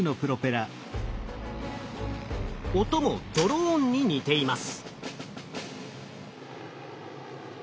音もドローンに似ています。